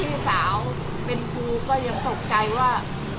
พี่สาวเป็นครูก็ยังตกใจว่า